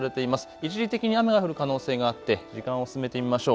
一時的に雨が降る可能性があって時間を進めてみましょう。